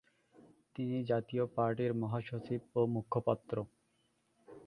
তিনি জাতীয় পার্টির মহাসচিব ও মুখপাত্র।